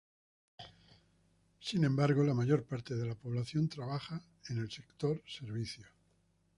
Sin embargo la mayor parte de la población trabaja en el sector servicios.